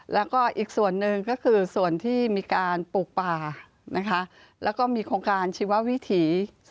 แล้วก็อีกส่วนหนึ่งก็คือส่วนที่มีการปลูกป่านะคะแล้วก็มีโครงการชีววิถี